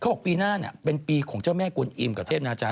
เขาบอกปีหน้าเนี่ยเป็นปีของเจ้าแม่กวนอิ่มกับเทพนาจารย์